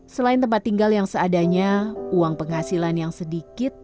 selain tempat tinggal yang seadanya uang penghasilan yang sedikit